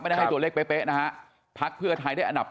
ไม่ได้ให้ตัวเลขเป๊ะภาคพื้อไทยได้อันดับ๑